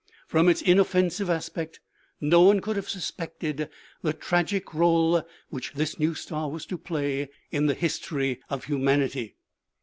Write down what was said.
From its inoffensive aspect no one could have suspected the tragic role which this new star was to play in the history of humanity.